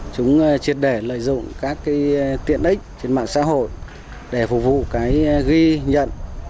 chúng triệt để lợi dụng các tiện ích trên mạng xã hội để phục vụ ghi nhận